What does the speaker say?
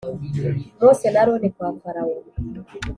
mose na aroni kwa farawo